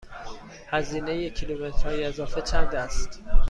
هزینه کیلومترهای اضافه چند است؟